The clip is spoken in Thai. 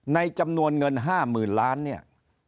จำนวนเงิน๕๐๐๐ล้านเนี่ย